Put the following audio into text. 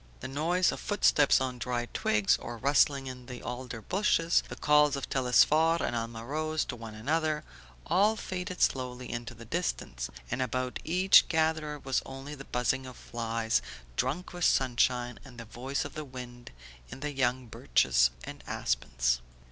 The noise of footsteps on dry twigs, of rustling in the alder bushes, the calls of Telesphore and Alma Rose to one another, all faded slowly into the distance, and about each gatherer was only the buzzing of flies drunk with sunshine, and the voice of the wind in the young birches and aspens.